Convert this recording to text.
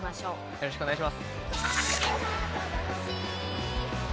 よろしくお願いします。